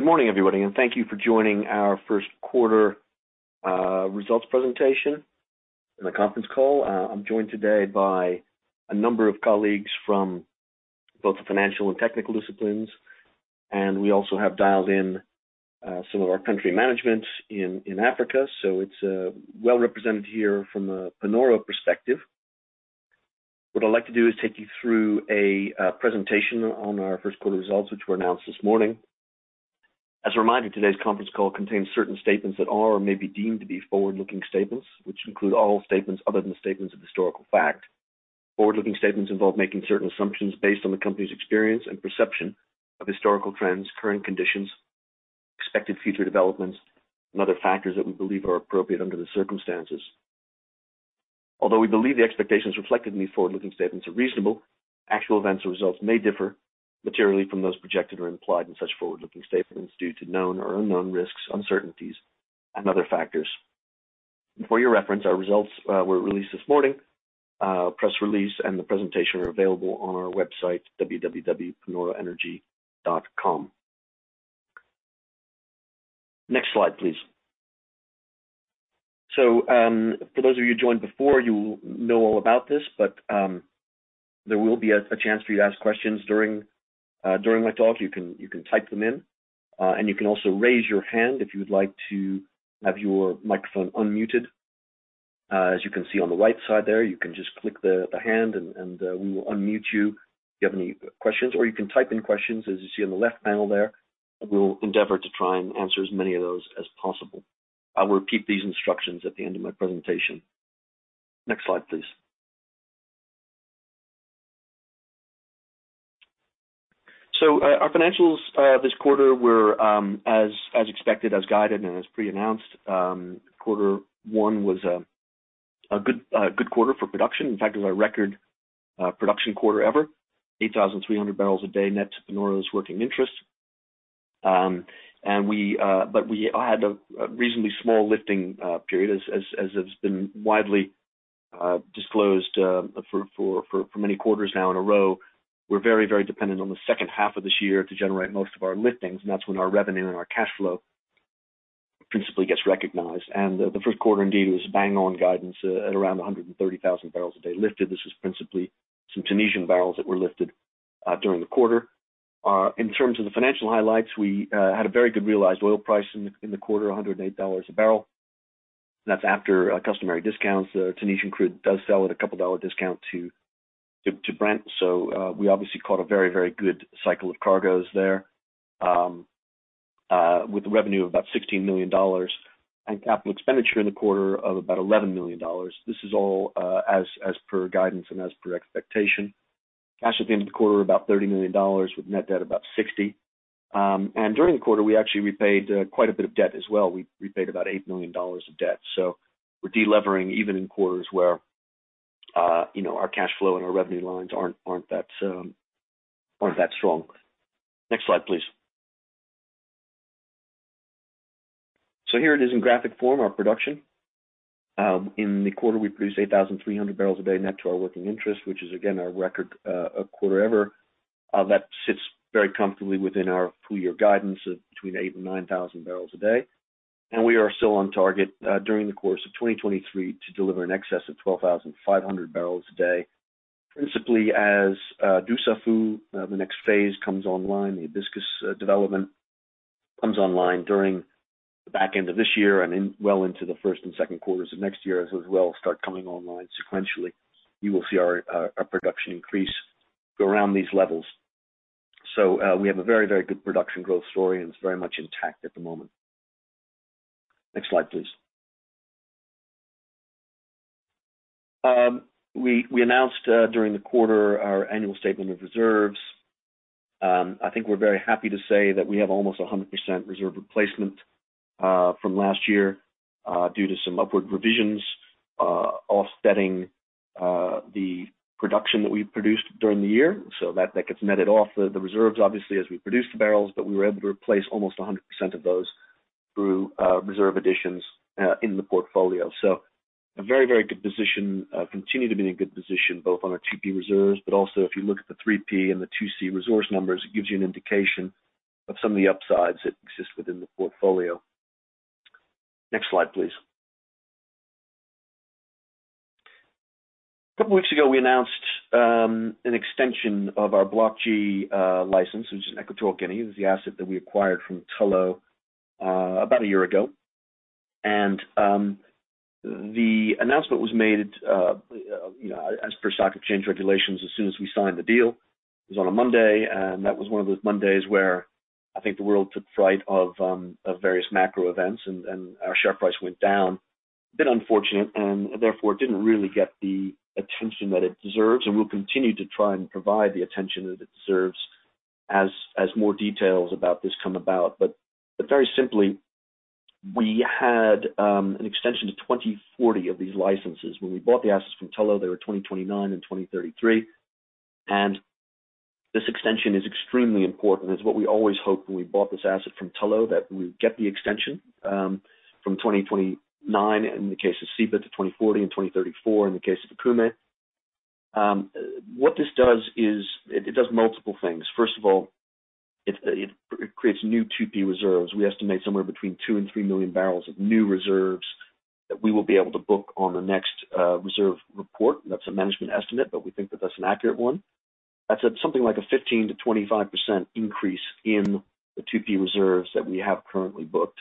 Good morning, everybody, and thank you for joining our Q1 results presentation and the Conference Call. I'm joined today by a number of colleagues from both the financial and technical disciplines, and we also have dialed in some of our country management in Africa. It's well-represented here from a Panoro perspective. What I'd like to do is take you through a presentation on our Q1 results, which were announced this morning. As a reminder, today's Conference Call contains certain statements that are or may be deemed to be forward-looking statements, which include all statements other than statements of historical fact. Forward-looking statements involve making certain assumptions based on the company's experience and perception of historical trends, current conditions, expected future developments, and other factors that we believe are appropriate under the circumstances. Although we believe the expectations reflected in these forward-looking statements are reasonable, actual events or results may differ materially from those projected or implied in such forward-looking statements due to known or unknown risks, uncertainties, and other factors. For your reference, our results were released this morning. Press release and the presentation are available on our website, www.panoroenergy.com. Next slide, please. For those of you who joined before, you know all about this, but there will be a chance for you to ask questions during my talk. You can type them in, and you can also raise your hand if you'd like to have your microphone unmuted. As you can see on the right side there, you can just click the hand and we will unmute you if you have any questions. You can type in questions as you see on the left panel there. We'll endeavor to try and answer as many of those as possible. I will repeat these instructions at the end of my presentation. Next slide, please. Our financials this quarter were as expected, as guided, and as pre-announced. Quarter one was a good quarter for production. In fact, it was our record production quarter ever, 8,300 barrels a day net to Panoro's working interest. We had a reasonably small lifting period as has been widely disclosed for many quarters now in a row. We're very, very dependent on the second half of this year to generate most of our liftings, and that's when our revenue and our cash flow principally gets recognized. The Q1 indeed was bang on guidance at around 130,000 barrels a day lifted. This was principally some Tunisian barrels that were lifted during the quarter. In terms of the financial highlights, we had a very good realized oil price in the quarter, $108 a barrel. That's after customary discounts. Tunisian crude does sell at a couple dollar discount to Brent. We obviously caught a very, very good cycle of cargoes there with the revenue of about $16 million and capital expenditure in the quarter of about $11 million. This is all as per guidance and as per expectation. Cash at the end of the quarter, about $30 million, with net debt about $60 million. During the quarter, we actually repaid quite a bit of debt as well. We repaid about $8 million of debt. We're de-levering even in quarters where you know, our cash flow and our revenue lines aren't that strong. Next slide, please. Here it is in graphic form, our production. In the quarter, we produced 8,300 barrels a day net to our working interest, which is again our record quarter ever. That sits very comfortably within our full-year guidance of between 8,000 and 9,000 barrels a day. We are still on target during the course of 2023 to deliver in excess of 12,500 barrels a day. Principally as Dussafu the next phase comes online, the Hibiscus development comes online during the back end of this year and well into the Q1 and Q2 of next year as well start coming online sequentially. You will see our production increase around these levels. We have a very, very good production growth story, and it's very much intact at the moment. Next slide, please. We announced during the quarter our annual statement of reserves. I think we're very happy to say that we have almost 100% reserve replacement from last year due to some upward revisions offsetting the production that we produced during the year. That gets netted off the reserves, obviously, as we produce the barrels, but we were able to replace almost 100% of those through reserve additions in the portfolio. Very good position. Continue to be in a good position both on our 2P reserves, but also if you look at the 3P and the 2C resource numbers, it gives you an indication of some of the upsides that exist within the portfolio. Next slide, please. A couple weeks ago, we announced an extension of our Block G license, which is in Equatorial Guinea. It was the asset that we acquired from Tullow about a year ago. The announcement was made, you know, as per stock exchange regulations as soon as we signed the deal. It was on a Monday, and that was one of those Mondays where I think the world took fright of various macro events and our share price went down. A bit unfortunate and therefore didn't really get the attention that it deserves, and we'll continue to try and provide the attention that it deserves as more details about this come about. Very simply, we had an extension to 2040 of these licenses. When we bought the assets from Tullow, they were 2029 and 2033. This extension is extremely important. It's what we always hoped when we bought this asset from Tullow, that we would get the extension from 2029 in the case of Ceiba to 2040 and 2034 in the case of Okume. What this does is it does multiple things. First of all, it creates new 2P reserves. We estimate somewhere between two and three million barrels of new reserves that we will be able to book on the next reserve report. That's a management estimate, but we think that that's an accurate one. That's at something like a 15%-25% increase in the 2P reserves that we have currently booked.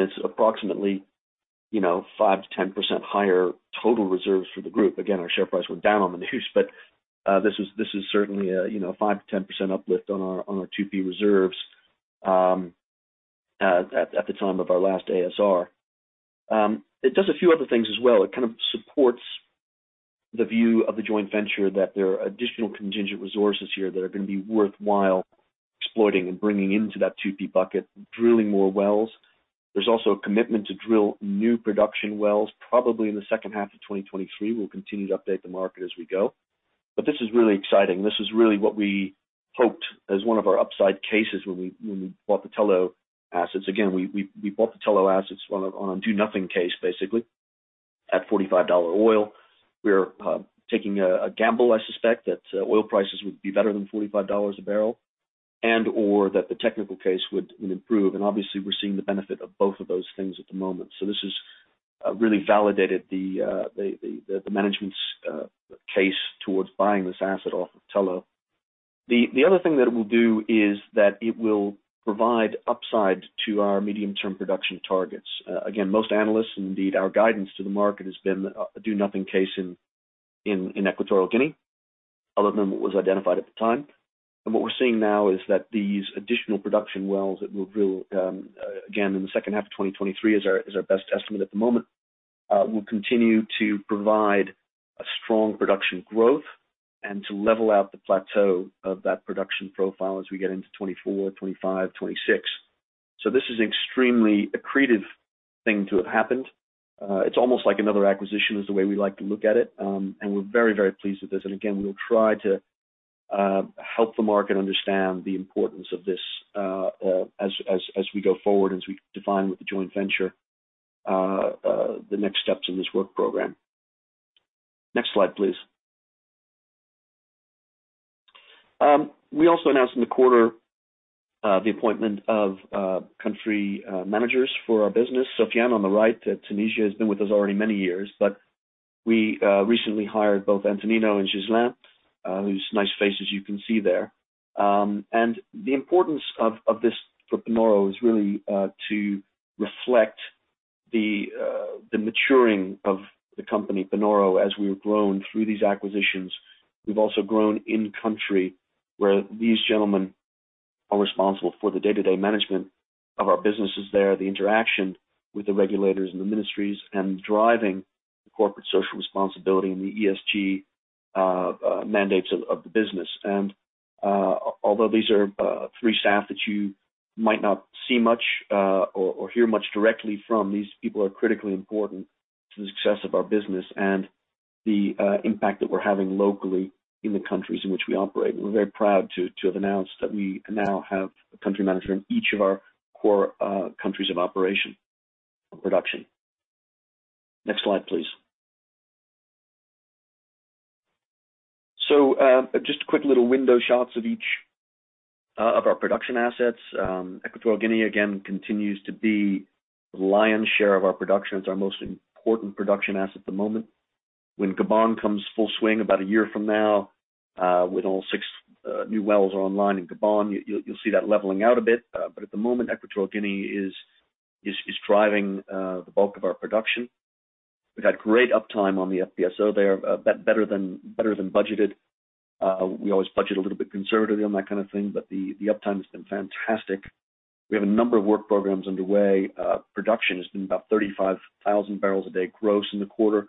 It's approximately, you know, 5%-10% higher total reserves for the group. Again, our share price went down on the news, but this is certainly a, you know, 5%-10% uplift on our 2P reserves at the time of our last ASR. It does a few other things as well. It kind of supports the view of the joint venture that there are additional contingent resources here that are gonna be worthwhile exploiting and bringing into that 2P bucket, drilling more wells. There's also a commitment to drill new production wells, probably in the second half of 2023. We'll continue to update the market as we go. This is really exciting. This is really what we hoped as one of our upside cases when we bought the Tullow assets. Again, we bought the Tullow assets on a do nothing case, basically, at $45 oil. We're taking a gamble, I suspect, that oil prices would be better than $45 a barrel and/or that the technical case would improve. Obviously, we're seeing the benefit of both of those things at the moment. This has really validated the management's case towards buying this asset off of Tullow. The other thing that it will do is that it will provide upside to our medium-term production targets. Again, most analysts, indeed, our guidance to the market has been a do nothing case in Equatorial Guinea, other than what was identified at the time. What we're seeing now is that these additional production wells that we'll drill, again, in the second half of 2023 is our best estimate at the moment, will continue to provide a strong production growth and to level out the plateau of that production profile as we get into 2024, 2025, 2026. This is an extremely accretive thing to have happened. It's almost like another acquisition is the way we like to look at it. We're very, very pleased with this. We'll try to help the market understand the importance of this, as we go forward, as we define with the joint venture, the next steps in this work program. Next slide, please. We also announced in the quarter the appointment of country managers for our business. Sofiane on the right in Tunisia has been with us already many years, but we recently hired both Antonino and Ghislain, whose nice faces you can see there. The importance of this for Panoro is really to reflect the maturing of the company Panoro. As we've grown through these acquisitions, we've also grown in country where these gentlemen are responsible for the day-to-day management of our businesses there, the interaction with the regulators and the ministries, and driving the corporate social responsibility and the ESG mandates of the business. Although these are three staff that you might not see much or hear much directly from, these people are critically important to the success of our business and the impact that we're having locally in the countries in which we operate. We're very proud to have announced that we now have a country manager in each of our core countries of operation and production. Next slide, please. Just quick little window shots of each of our production assets. Equatorial Guinea, again, continues to be the lion's share of our production. It's our most important production asset at the moment. When Gabon comes full swing about a year from now, with all six new wells are online in Gabon, you'll see that leveling out a bit. At the moment, Equatorial Guinea is driving the bulk of our production. We've had great uptime on the FPSO there, better than budgeted. We always budget a little bit conservatively on that kind of thing, but the uptime has been fantastic. We have a number of work programs underway. Production has been about 35,000 barrels a day gross in the quarter,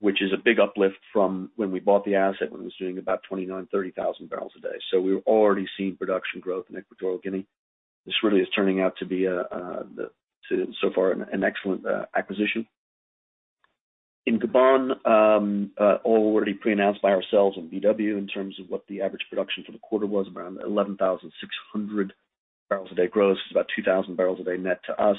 which is a big uplift from when we bought the asset, when it was doing about 29,000-30,000 barrels a day. We're already seeing production growth in Equatorial Guinea. This really is turning out to be so far an excellent acquisition. In Gabon, already pre-announced by ourselves and BW in terms of what the average production for the quarter was, around 11,600 barrels a day gross. It's about 2,000 barrels a day net to us.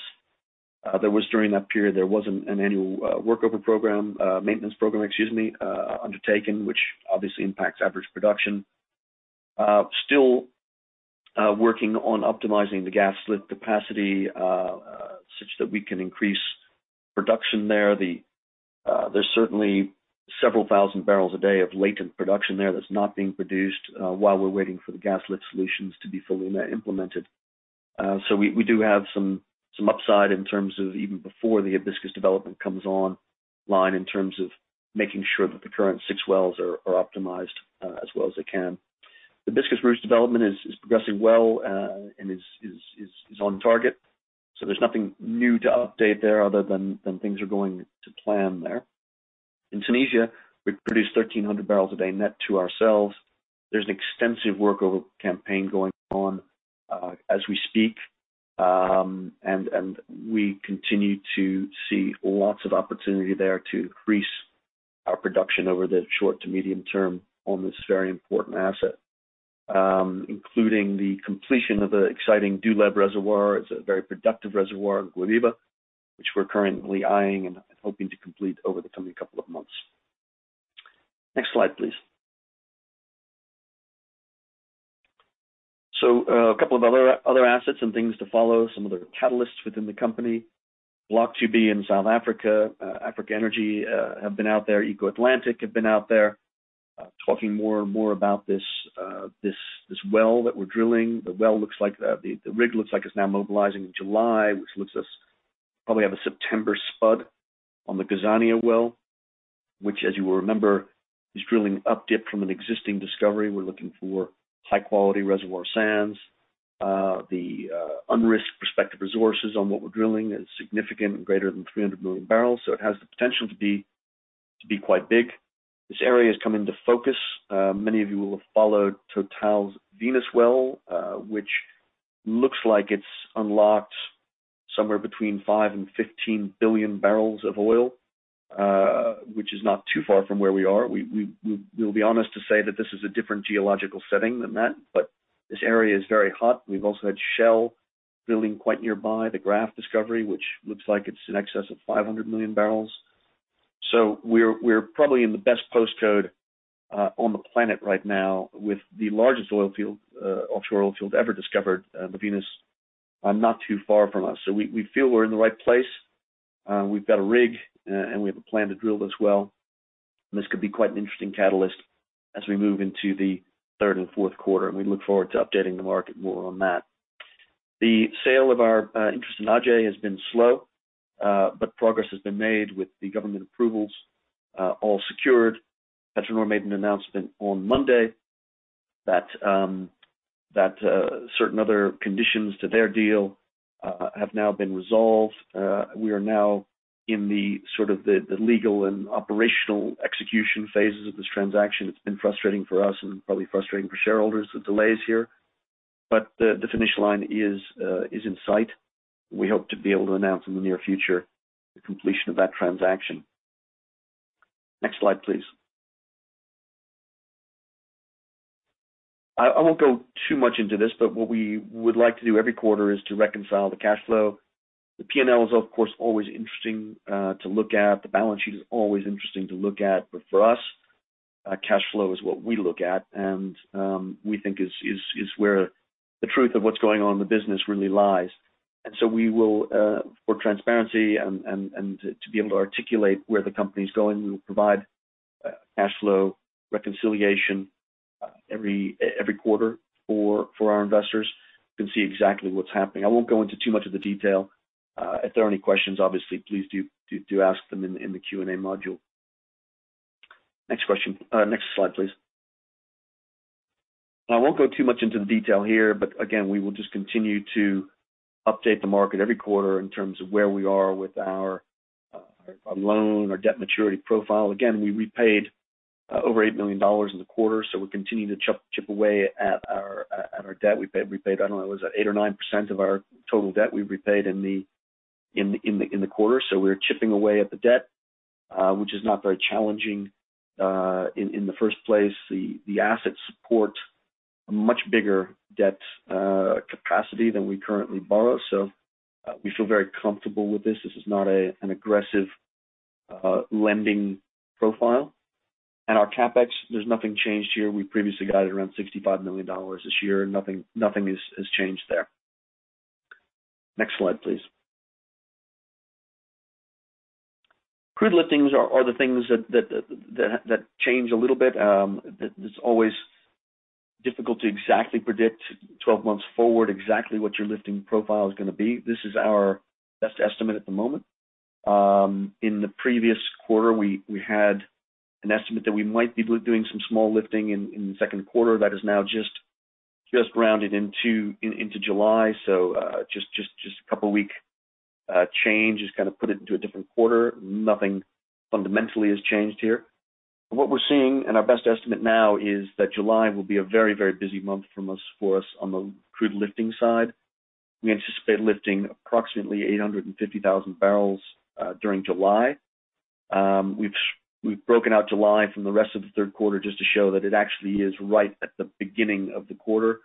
During that period, there was an annual workover program, maintenance program, excuse me, undertaken, which obviously impacts average production. Still working on optimizing the gas lift capacity such that we can increase production there. There's certainly several thousand barrels a day of latent production there that's not being produced while we're waiting for the gas lift solutions to be fully implemented. We do have some upside in terms of even before the Hibiscus development comes online in terms of making sure that the current six wells are optimized as well as they can. The Hibiscus Ruche development is progressing well and is on target. There's nothing new to update there other than things are going to plan there. In Tunisia, we produced 1,300 barrels a day net to ourselves. There's an extensive workover campaign going on as we speak. We continue to see lots of opportunity there to increase our production over the short-to-medium-term on this very important asset, including the completion of the exciting Douleb reservoir. It's a very productive reservoir in Guebiba, which we're currently eyeing and hoping to complete over the coming couple of months. Next slide, please. A couple of other assets and things to follow, some other catalysts within the company. Block 2B in South Africa Energy have been out there. Eco Atlantic have been out there, talking more and more about this well that we're drilling. The well looks like the rig looks like it's now mobilizing in July, which probably have a September spud on the Gazania well, which as you will remember, is drilling up dip from an existing discovery. We're looking for high-quality reservoir sands. The unrisked prospective resources on what we're drilling is significant, greater than 300 million barrels, so it has the potential to be quite big. This area has come into focus. Many of you will have followed TotalEnergies' Venus well, which looks like it's unlocked somewhere between 5-15 billion barrels of oil, which is not too far from where we are. We'll be honest to say that this is a different geological setting than that, but this area is very hot. We've also had Shell drilling quite nearby the Graff discovery, which looks like it's in excess of 500 million barrels. We're probably in the best postcode on the planet right now with the largest oil field, offshore oil field ever discovered, the Venus, not too far from us. We feel we're in the right place. We've got a rig, and we have a plan to drill this well, and this could be quite an interesting catalyst as we move into the Q3 and Q4, and we look forward to updating the market more on that. The sale of our interest in Aje has been slow, but progress has been made with the government approvals all secured. PetroNor made an announcement on Monday that certain other conditions to their deal have now been resolved. We are now in the sort of the legal and operational execution phases of this transaction. It's been frustrating for us and probably frustrating for shareholders, the delays here, but the finish line is in sight. We hope to be able to announce in the near future the completion of that transaction. Next slide, please. I won't go too much into this, but what we would like to do every quarter is to reconcile the cash flow. The P&L is of course always interesting to look at. The balance sheet is always interesting to look at. For us, cash flow is what we look at, and we think is where the truth of what's going on in the business really lies. We will for transparency and to be able to articulate where the company's going, we will provide cash flow reconciliation every quarter for our investors can see exactly what's happening. I won't go into too much of the detail. If there are any questions, obviously, please do ask them in the Q&A module. Next question. Next slide, please. I won't go too much into the detail here, but again, we will just continue to update the market every quarter in terms of where we are with our our loan, our debt maturity profile. Again, we repaid over $8 million in the quarter, so we're continuing to chip away at our debt. We paid, I don't know, it was 8% or 9% of our total debt we repaid in the quarter. So we're chipping away at the debt, which is not very challenging in the first place. The assets support a much bigger debt capacity than we currently borrow. So we feel very comfortable with this. This is not an aggressive lending profile. Our CapEx, there's nothing changed here. We previously guided around $65 million this year, and nothing has changed there. Next slide, please. Crude liftings are the things that change a little bit. It's always difficult to exactly predict 12 months forward exactly what your lifting profile is gonna be. This is our best estimate at the moment. In the previous quarter, we had an estimate that we might be doing some small lifting in the Q2. That is now just rounded into July. Just a couple week change. Just kind of put it into a different quarter. Nothing fundamentally has changed here. What we're seeing and our best estimate now is that July will be a very busy month for us on the crude lifting side. We anticipate lifting approximately 850,000 barrels during July. We've broken out July from the rest of the Q3 just to show that it actually is right at the beginning of the quarter.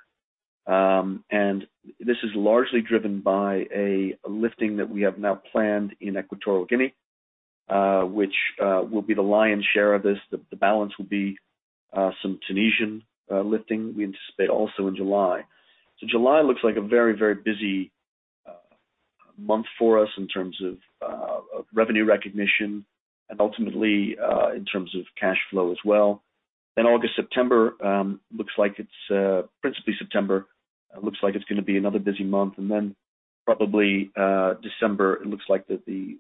This is largely driven by a lifting that we have now planned in Equatorial Guinea, which will be the lion's share of this. The balance will be some Tunisian lifting we anticipate also in July. July looks like a very busy month for us in terms of revenue recognition and ultimately in terms of cash flow as well. August, September looks like it's principally September looks like it's gonna be another busy month. Probably December looks like the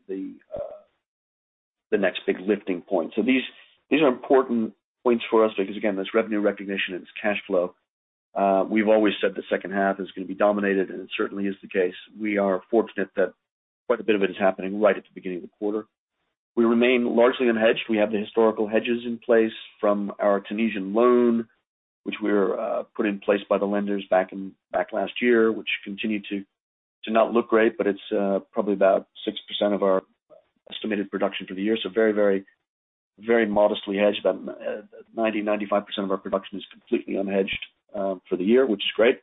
next big lifting point. These are important points for us because again, there's revenue recognition and it's cash flow. We've always said the second half is gonna be dominated, and it certainly is the case. We are fortunate that quite a bit of it is happening right at the beginning of the quarter. We remain largely unhedged. We have the historical hedges in place from our Tunisian loan, which were put in place by the lenders back last year, which continue to not look great, but it's probably about 6% of our estimated production for the year. Very modestly hedged. About 95% of our production is completely unhedged for the year, which is great.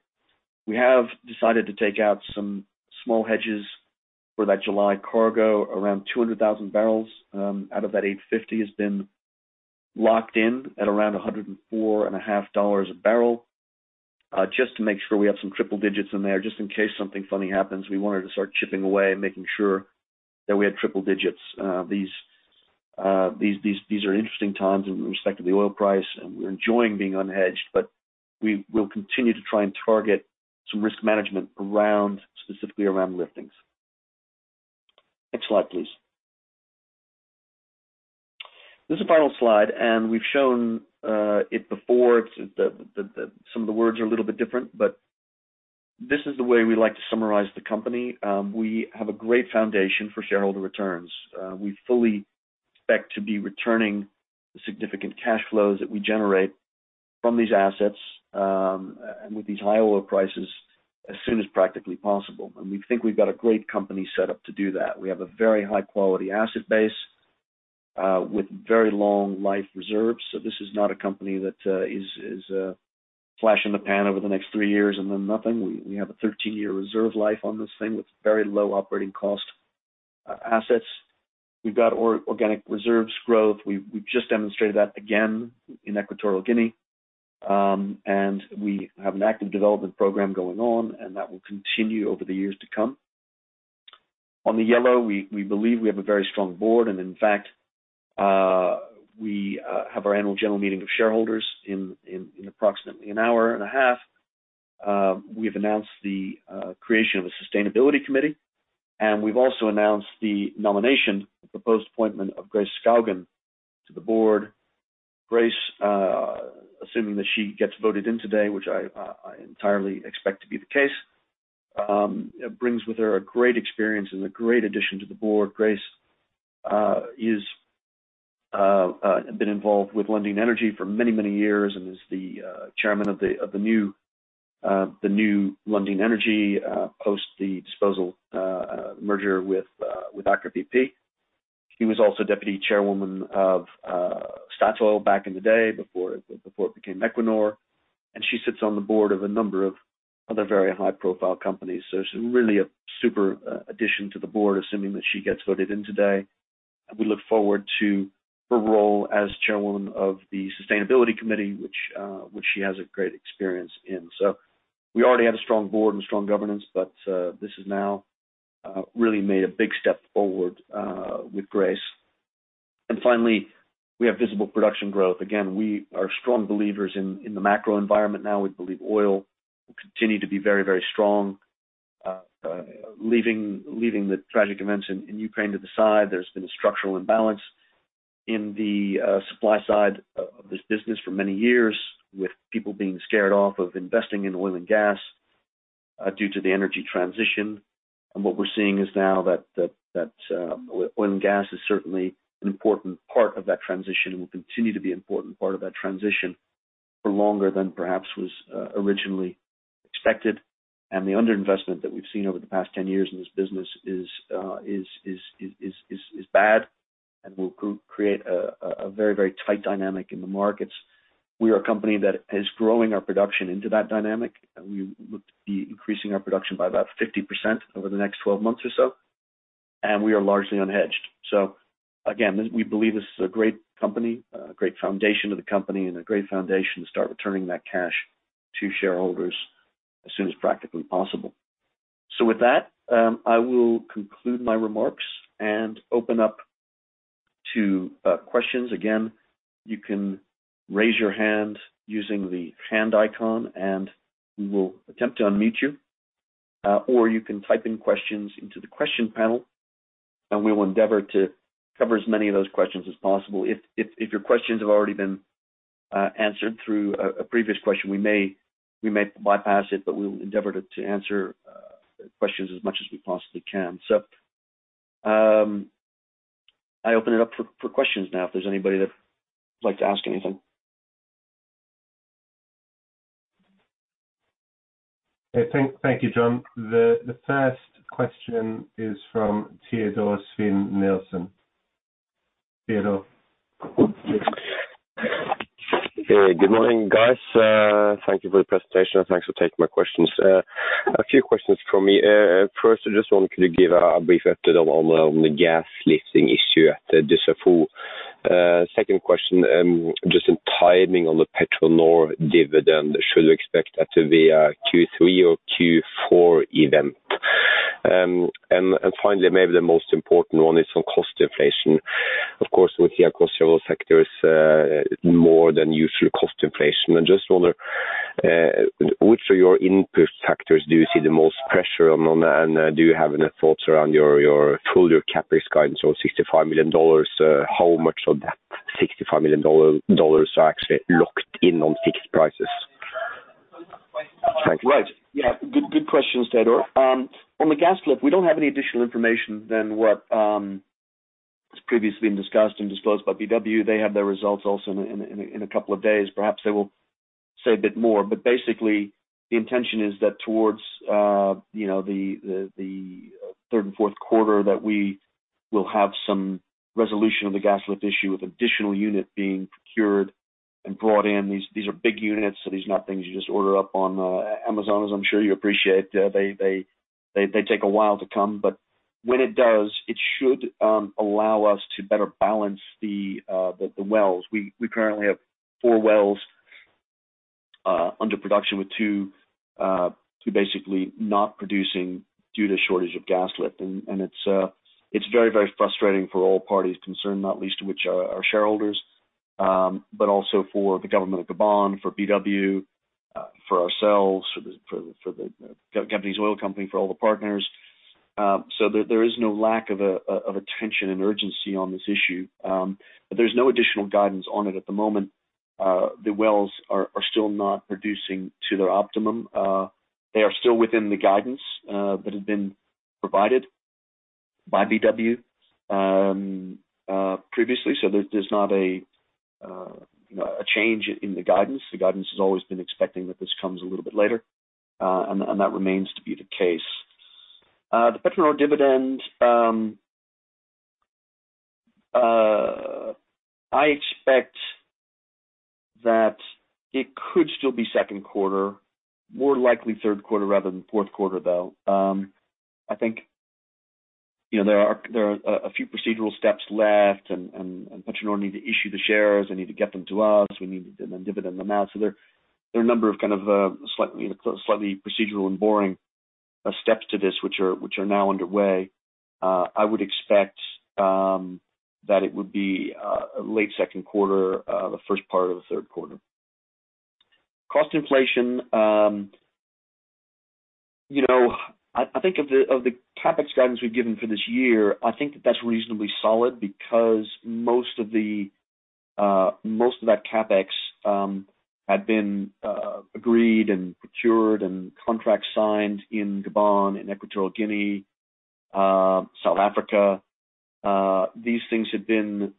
We have decided to take out some small hedges for that July cargo, around 200,000 barrels, out of that 850 has been locked in at around $104.5 a barrel, just to make sure we have some triple digits in there. Just in case something funny happens, we wanted to start chipping away and making sure that we had triple digits. These are interesting times in respect to the oil price, and we're enjoying being unhedged, but we will continue to try and target some risk management around, specifically around liftings. Next slide, please. This is the final slide, and we've shown it before. It's some of the words are a little bit different, but this is the way we like to summarize the company. We have a great foundation for shareholder returns. We fully expect to be returning the significant cash flows that we generate from these assets, and with these high oil prices as soon as practically possible. We think we've got a great company set up to do that. We have a very high-quality asset base, with very long-life reserves. This is not a company that is flash in the pan over the next three years and then nothing. We have a 13-year reserve life on this thing with very low operating cost assets. We've got organic reserves growth. We've just demonstrated that again in Equatorial Guinea. We have an active development program going on, and that will continue over the years to come. On the whole, we believe we have a very strong board, and in fact, we have our annual general meeting of shareholders in approximately an hour and a half. We have announced the creation of a Sustainability Committee, and we've also announced the nomination, the post appointment of Grace Reksten Skaugen to the board. Grace, assuming that she gets voted in today, which I entirely expect to be the case, brings with her a great experience and a great addition to the board. Grace has been involved with Lundin Energy for many, many years and is the chairman of the new Lundin Energy post the disposal, merger with Aker BP. She was also deputy chairwoman of Statoil back in the day before it became Equinor. She sits on the board of a number of other very high-profile companies. She's really a super addition to the board, assuming that she gets voted in today. We look forward to her role as chairwoman of the Sustainability Committee, which she has a great experience in. We already had a strong board and strong governance, but this has now really made a big step forward with Grace. Finally, we have visible production growth. Again, we are strong believers in the macro environment now. We believe oil will continue to be very, very strong. Leaving the tragic events in Ukraine to the side, there's been a structural imbalance in the supply side of this business for many years, with people being scared off of investing in oil and gas due to the energy transition. What we're seeing is now that oil and gas is certainly an important part of that transition and will continue to be an important part of that transition for longer than perhaps was originally expected. The underinvestment that we've seen over the past 10 years in this business is bad and will create a very tight dynamic in the markets. We are a company that is growing our production into that dynamic. We look to be increasing our production by about 50% over the next 12 months or so, and we are largely unhedged. Again, this, we believe this is a great company, a great foundation of the company, and a great foundation to start returning that cash to shareholders as soon as practically possible. With that, I will conclude my remarks and open up to questions. Again, you can raise your hand using the hand icon, and we will attempt to unmute you. Or you can type in questions into the question panel, and we will endeavor to cover as many of those questions as possible. If your questions have already been answered through a previous question, we may bypass it, but we will endeavor to answer questions as much as we possibly can. I open it up for questions now if there's anybody that would like to ask anything. Okay. Thank you, John. The first question is from Teodor Sveen-Nilsen. Teodor? Hey, good morning, guys. Thank you for the presentation, and thanks for taking my questions. A few questions from me. First, can you give a brief update on the gas lifting issue at the Dussafu? Second question, just in timing on the PetroNor dividend, should we expect that to be a Q3 or Q4 event? And finally, maybe the most important one is on cost inflation. Of course, we hear across several sectors more than usual cost inflation. I just wonder which of your input factors do you see the most pressure on. Do you have any thoughts around your full-year CapEx guidance on $65 million? How much of that $65 million are actually locked in on fixed prices? Thank you. Right. Yeah. Good questions, Theodore. On the gas lift, we don't have any additional information than what has previously been discussed and disclosed by BW. They have their results also in a couple of days. Perhaps they will say a bit more, but basically the intention is that towards the Q3 and Q4 that we will have some resolution of the gas lift issue with additional unit being procured and brought in. These are big units, so these are not things you just order up on Amazon, as I'm sure you appreciate. They take a while to come, but when it does, it should allow us to better balance the wells. We currently have four wells under production with two basically not producing due to shortage of gas lift. It's very frustrating for all parties concerned, not least of which are our shareholders, but also for the government of Gabon, for BW, for ourselves, for the Gabon Oil Company, for all the partners. There is no lack of attention and urgency on this issue. There's no additional guidance on it at the moment. The wells are still not producing to their optimum. They are still within the guidance that has been provided by BW previously. There's not, you know, a change in the guidance. The guidance has always been expecting that this comes a little bit later, and that remains to be the case. The PetroNor dividend, I expect that it could still be Q2, more likely Q3 rather than Q4, though. I think, you know, there are a few procedural steps left and PetroNor need to issue the shares. They need to get them to us. We need to then dividend them out. There are a number of kind of slightly, you know, slightly procedural and boring steps to this, which are now underway. I would expect that it would be late Q2, the first part of the Q3. Cost inflation, you know, I think of the CapEx guidance we've given for this year, I think that that's reasonably solid because most of the... Most of that CapEx had been agreed and procured and contracts signed in Gabon and Equatorial Guinea, South Africa. These things had been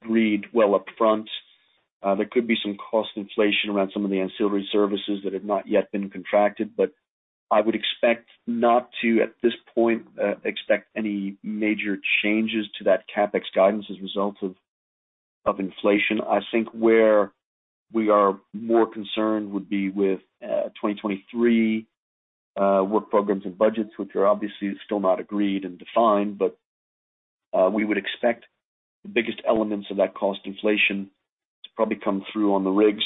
agreed well upfront. There could be some cost inflation around some of the ancillary services that have not yet been contracted, but I would expect not to, at this point, expect any major changes to that CapEx guidance as a result of inflation. I think where we are more concerned would be with 2023 work programs and budgets, which are obviously still not agreed and defined. We would expect the biggest elements of that cost inflation to probably come through on the rigs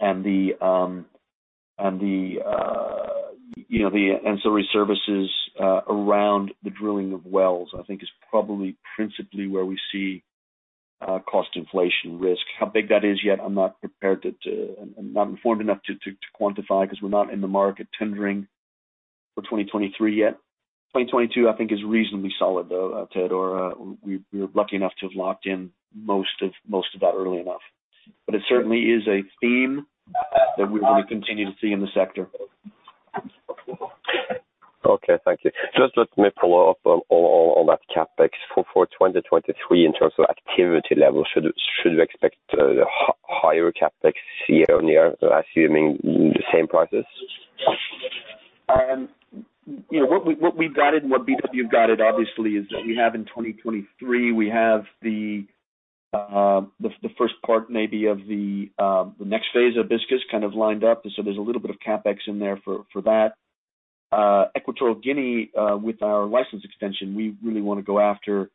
and the you know the ancillary services around the drilling of wells, I think is probably principally where we see cost inflation risk. How big that is yet, I'm not prepared to. I'm not informed enough to quantify because we're not in the market tendering for 2023 yet. 2022, I think, is reasonably solid, though, Teodor. We're lucky enough to have locked in most of that early enough. It certainly is a theme that we're gonna continue to see in the sector. Okay. Thank you. Just let me follow-up on that CapEx for 2023 in terms of activity level. Should we expect higher CapEx for the year, assuming the same prices? You know, what we've guided and what BW guided obviously is that we have in 2023, we have the first part maybe of the next phase of Hibiscus kind of lined up. There's a little bit of CapEx in there for that. Equatorial Guinea, with our license extension, we really wanna go after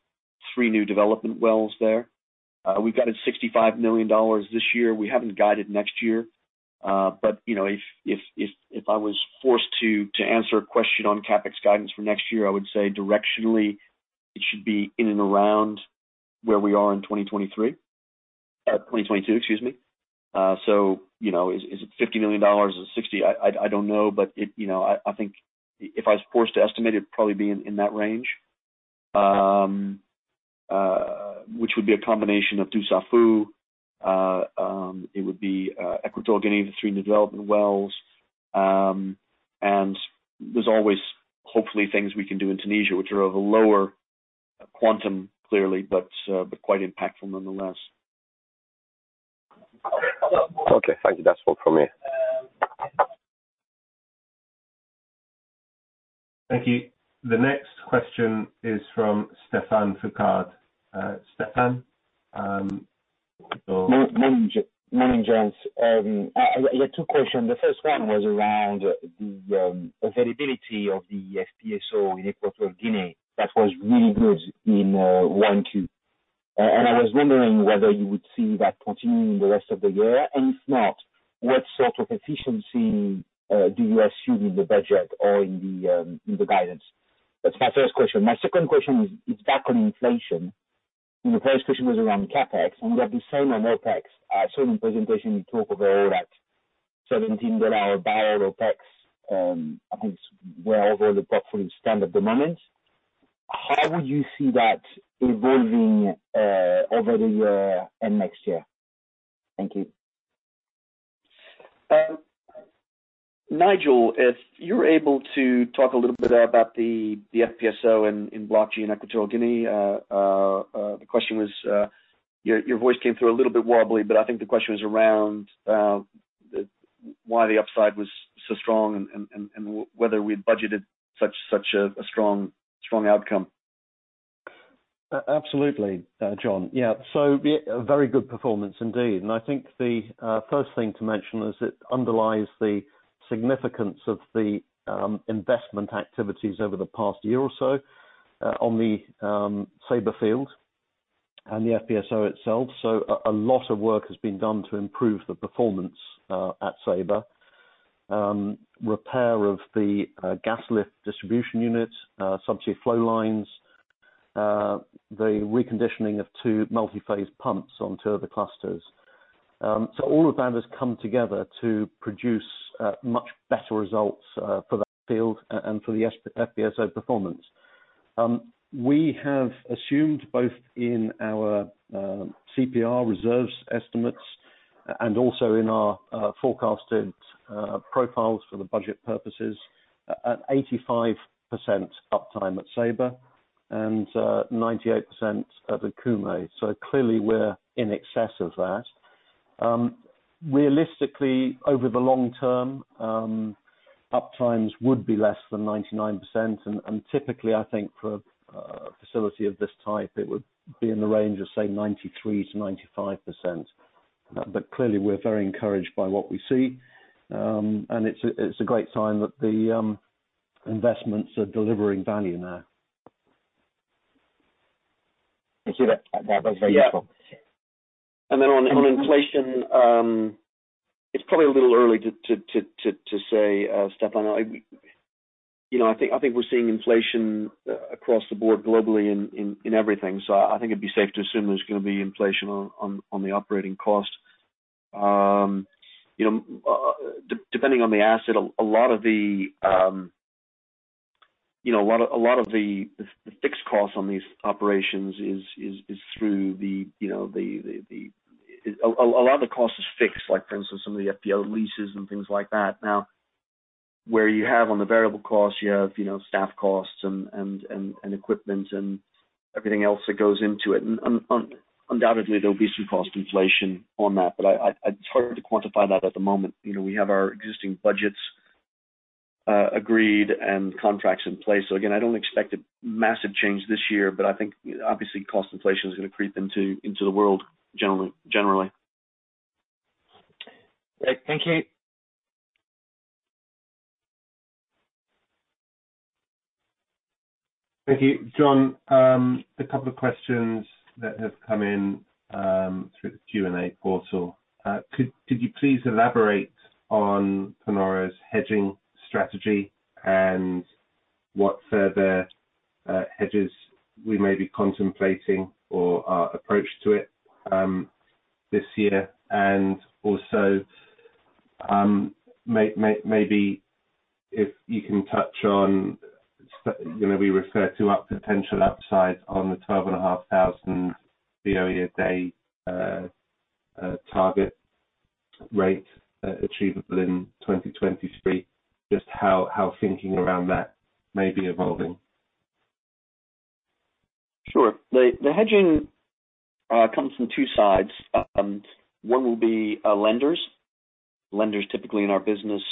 three new development wells there. We've guided $65 million this year. We haven't guided next year. But you know, if I was forced to answer a question on CapEx guidance for next year, I would say directionally it should be in and around where we are in 2023, 2022, excuse me. So, you know, is it $50 million? Is it $60 million? I don't know. But it You know, I think if I was forced to estimate, it'd probably be in that range. Which would be a combination of Dussafu. It would be Equatorial Guinea, the three new development wells. There's always hopefully things we can do in Tunisia, which are of a lower-quantum clearly, but quite impactful nonetheless. Okay. Thank you. That's all from me. Thank you. The next question is from Stephane Foucaud. Stephen, Morning. Morning, gents. I had two questions. The first one was around the availability of the FPSO in Equatorial Guinea. That was really good in 1Q. I was wondering whether you would see that continuing the rest of the year. If not, what sort of efficiency do you assume in the budget or in the guidance? That's my first question. My second question is back on inflation. The first question was around CapEx, and we have the same on OpEx. In presentation, you talk about that $17 per barrel OpEx against wherever the portfolio stand at the moment. How would you see that evolving over the year and next year? Thank you. Nigel, if you're able to talk a little bit about the FPSO in Block G, Equatorial Guinea. The question was, your voice came through a little bit wobbly, but I think the question was around why the upside was so strong and whether we had budgeted such a strong outcome. Absolutely, John. Yeah. A very good performance indeed. I think the first thing to mention is it underlies the significance of the investment activities over the past year or so, on the Ceiba field and the FPSO itself. A lot of work has been done to improve the performance at Ceiba. Repair of the gas lift distribution unit, subsea flow lines, the reconditioning of two multiphase pumps on two of the clusters. All of that has come together to produce much better results for the field and for the FPSO performance. We have assumed both in our CPR reserves estimates and also in our forecasted profiles for the budget purposes at 85% uptime at Ceiba and 98% at Okume. Clearly, we're in excess of that. Realistically, over the long-term, uptimes would be less than 99%. Typically, I think for a facility of this type, it would be in the range of, say, 93% to 95%. Clearly, we're very encouraged by what we see. It's a great sign that the investments are delivering value now. Thank you. That was very useful. Yeah. It's probably a little early to say, Stephane Foucaud, you know, I think we're seeing inflation across the board globally in everything. I think it'd be safe to assume there's gonna be inflation on the operating cost. You know, depending on the asset, a lot of the fixed costs on these operations is through the, you know, the, the. A lot of the cost is fixed like for instance, some of the FPSO leases and things like that. Now, where you have on the variable costs, you have, you know, staff costs and equipment and everything else that goes into it. Undoubtedly, there'll be some cost inflation on that, but I—it's hard to quantify that at the moment. You know, we have our existing budgets, agreed and contracts in place. Again, I don't expect a massive change this year, but I think obviously cost inflation is gonna creep into the world generally. Great. Thank you. Thank you. John, a couple of questions that have come in through the Q&A portal. Could you please elaborate on Panoro's hedging strategy and what further hedges we may be contemplating or our approach to it this year? Also, maybe if you can touch on, you know, we refer to our potential upside on the 12,500 BOE a day target rate achievable in 2023. Just how thinking around that may be evolving. Sure. The hedging comes from two sides. One will be lenders. Lenders typically in our business,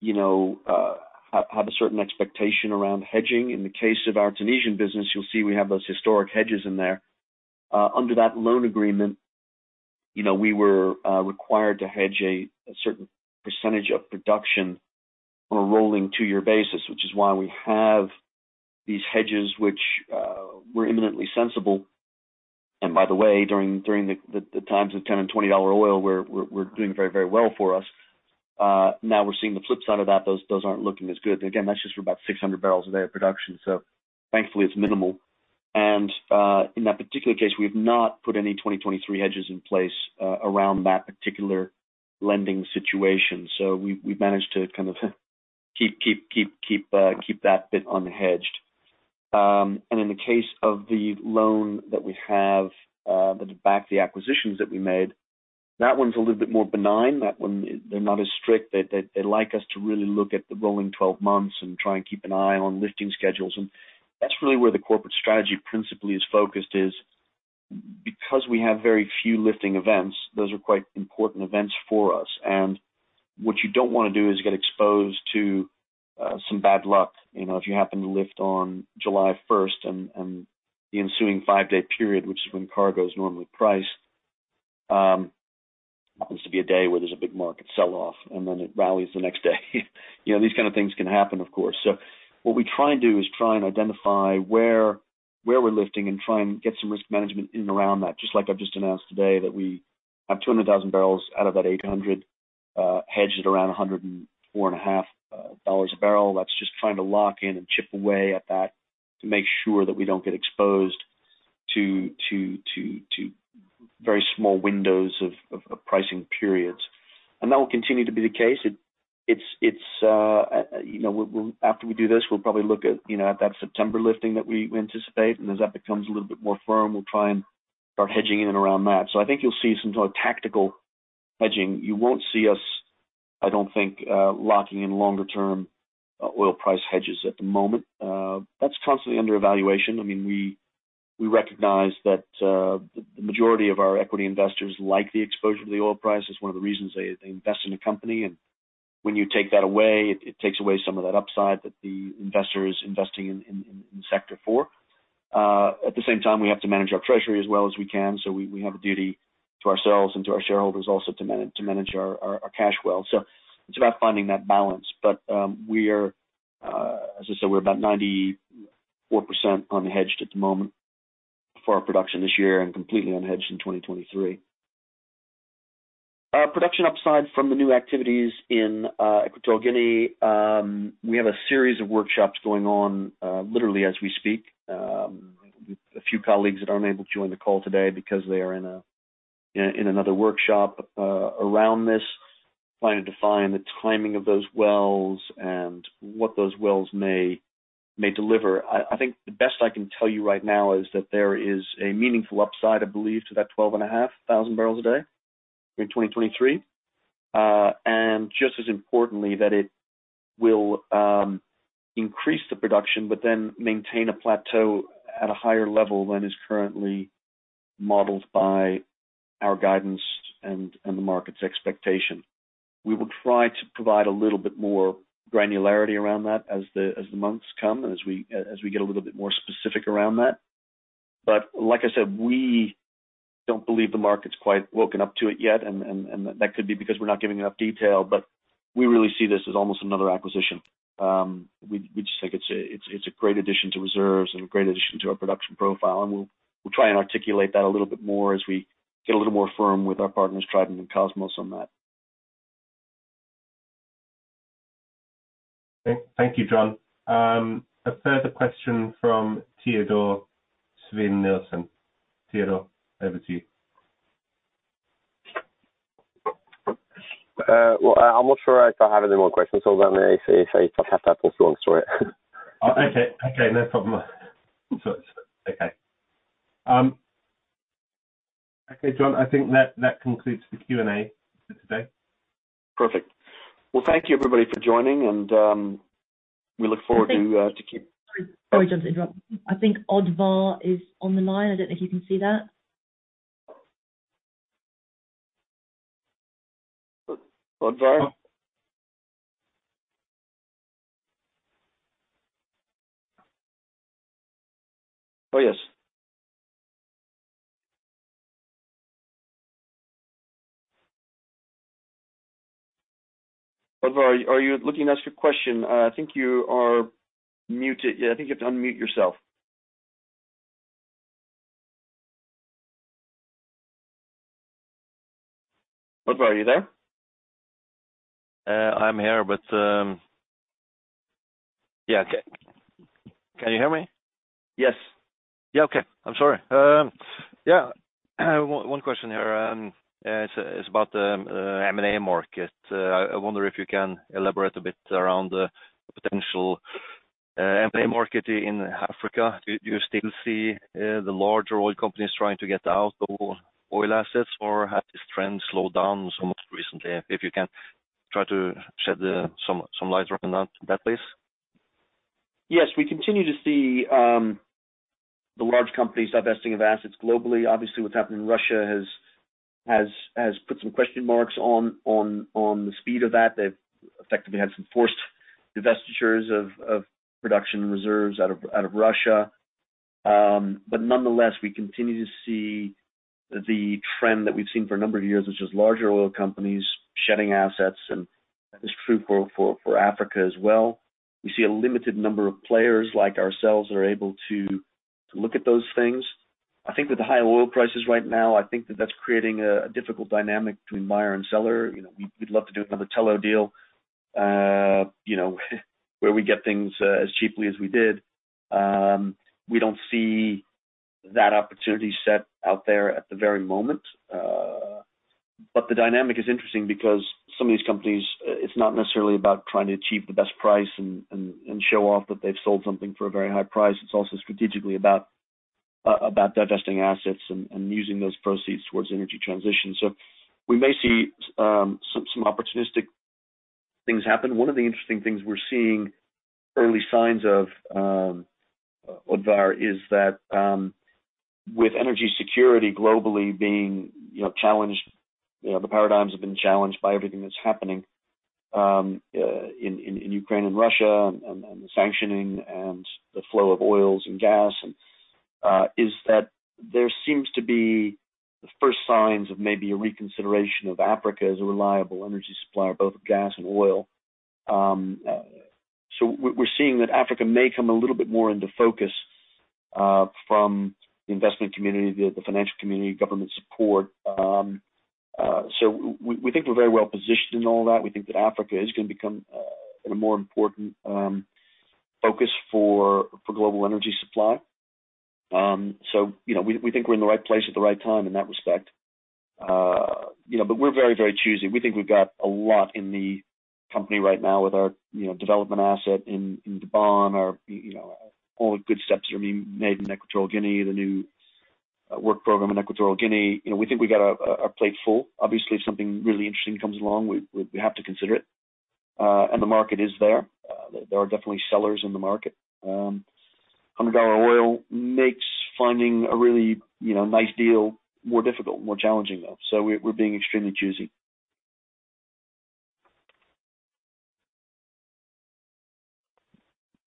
you know, have a certain expectation around hedging. In the case of our Tunisian business, you'll see we have those historic hedges in there. Under that loan agreement, you know, we were required to hedge a certain percentage of production on a rolling two-year basis, which is why we have these hedges which were eminently sensible. By the way, during the times of $10 and $20 oil, we're doing very, very well for us. Now we're seeing the flip side of that. Those aren't looking as good. Again, that's just for about 600 barrels a day of production. Thankfully, it's minimal. In that particular case, we have not put any 2023 hedges in place around that particular lending situation. We've managed to kind of keep that bit unhedged. In the case of the loan that we have that back the acquisitions that we made, that one's a little bit more benign. That one, they're not as strict. They like us to really look at the rolling twelve months and try and keep an eye on lifting schedules. That's really where the corporate strategy principally is focused because we have very few lifting events, those are quite important events for us. What you don't wanna do is get exposed to some bad luck. You know, if you happen to lift on July first and the ensuing five-day period, which is when cargo is normally priced, happens to be a day where there's a big market sell-off, and then it rallies the next day. You know, these kind of things can happen, of course. What we try and do is try and identify where we're lifting and try and get some risk management in and around that. Just like I've just announced today, that we have 200,000 barrels out of that 800,000, hedged at around $104.5 a barrel. That's just trying to lock in and chip away at that to make sure that we don't get exposed to very small windows of pricing periods. That will continue to be the case. you know, after we do this, we'll probably look at, you know, at that September lifting that we anticipate. As that becomes a little bit more firm, we'll try and hedge in and around that. I think you'll see some sort of tactical hedging. You won't see us, I don't think, locking in longer-term oil price hedges at the moment. That's constantly under evaluation. I mean, we recognize that the majority of our equity investors like the exposure to the oil price. It's one of the reasons they invest in the company. When you take that away, it takes away some of that upside that the investor is investing in sector for. At the same time, we have to manage our treasury as well as we can, so we have a duty to ourselves and to our shareholders also to manage our cash well. It's about finding that balance. As I said, we're about 94% unhedged at the moment for our production this year and completely unhedged in 2023. Production upside from the new activities in Equatorial Guinea. We have a series of workshops going on, literally as we speak. A few colleagues that aren't able to join the call today because they are in another workshop around this, trying to define the timing of those wells and what those wells may deliver. I think the best I can tell you right now is that there is a meaningful upside, I believe, to that 12,500 barrels a day in 2023. Just as importantly, that it will increase the production, but then maintain a plateau at a higher-level than is currently modeled by our guidance and that could be because we're not giving enough detail. We really see this as almost another acquisition. We just think it's a great addition to reserves and a great addition to our production profile. We'll try and articulate that a little bit more as we get a little more firm with our partners, Trident and Kosmos, on that. Thank you, John. A further question from Teodor Sveen-Nilsen. Teodor, over to you. Well, I'm not sure if I have any more questions other than if I have to ask a long story. Okay. Okay, no problem. It's okay. Okay, John, I think that concludes the Q&A for today. Perfect. Well, thank you, everybody, for joining, and we look forward to keep- Sorry, John, to interrupt. I think Odvar is on the line. I don't know if you can see that. Odvar? Oh, yes. Odvar, are you looking to ask a question? I think you are muted. Yeah, I think you have to unmute yourself. Odvar, are you there? I'm here, but yeah. Okay. Can you hear me? Yes. Yeah, okay. I'm sorry. Yeah. One question here is about the M&A market. I wonder if you can elaborate a bit around the potential M&A market in Africa. Do you still see the larger oil companies trying to get out of oil assets, or has this trend slowed down so much recently? If you can try to shed some light around that, please. Yes. We continue to see the large companies divesting of assets globally. Obviously, what's happened in Russia has put some question marks on the speed of that. They've effectively had some forced divestitures of production reserves out of Russia. Nonetheless, we continue to see the trend that we've seen for a number of years, which is larger oil companies shedding assets, and that is true for Africa as well. We see a limited number of players like ourselves that are able to look at those things. I think with the high oil prices right now, I think that that's creating a difficult dynamic between buyer and seller. You know, we'd love to do another Tullow deal, you know, where we get things as cheaply as we did. We don't see that opportunity set out there at the very moment. The dynamic is interesting because some of these companies, it's not necessarily about trying to achieve the best price and show off that they've sold something for a very high price. It's also strategically about divesting assets and using those proceeds towards energy transition. We may see some opportunistic things happen. One of the interesting things we're seeing early signs of, Odvar, is that with energy security globally being, you know, challenged, you know, the paradigms have been challenged by everything that's happening in Ukraine and Russia and the sanctioning and the flow of oil and gas, and is that there seems to be the first signs of maybe a reconsideration of Africa as a reliable energy supplier of both gas and oil. So we're seeing that Africa may come a little bit more into focus from the investment community, the financial community, government support. So we think we're very well-positioned in all that. We think that Africa is gonna become a more important focus for global energy supply. We think we're in the right place at the right time in that respect. You know, we're very, very choosy. We think we've got a lot in the company right now with our development asset in Gabon. You know, all good steps are being made in Equatorial Guinea, the new work program in Equatorial Guinea. You know, we think we got a plate full. Obviously, if something really interesting comes along, we have to consider it. The market is there. There are definitely sellers in the market. $100 oil makes finding a really nice deal more difficult, more challenging, though. We're being extremely choosy.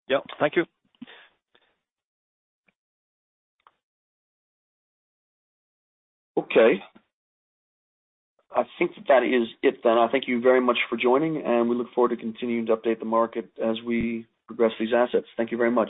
Yeah. Thank you. Okay. I think that is it then. I thank you very much for joining, and we look forward to continuing to update the market as we progress these assets. Thank you very much.